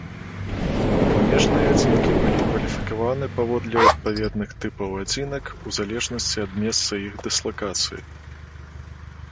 Памежныя адзінкі былі кваліфікаваны паводле адпаведных тыпаў адзінак у залежнасці ад месца іх дыслакацыі.